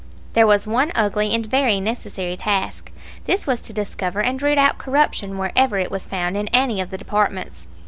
There was one ugly and very necessary task. This was to discover and root out corruption wherever it was found in any of the departments.